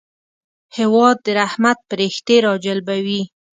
هېواد د رحمت پرښتې راجلبوي.